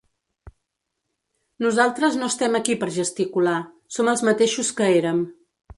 Nosaltres no estem aquí per gesticular, som els mateixos que érem.